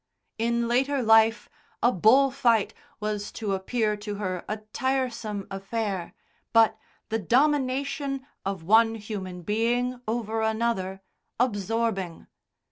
In later life a bull fight was to appear to her a tiresome affair, but the domination of one human being over another, absorbing.